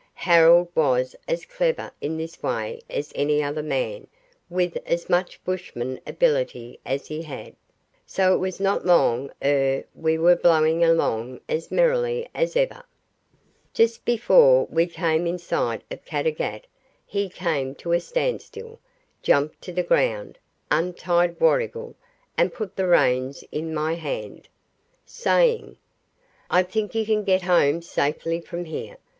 Harold was as clever in this way as any other man with as much bushman ability as he had, so it was not long ere we were bowling along as merrily as ever. Just before we came in sight of Caddagat he came to a standstill, jumped to the ground, untied Warrigal, and put the reins in my hand, saying: "I think you can get home safely from here.